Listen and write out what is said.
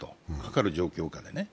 かかる状況下でね。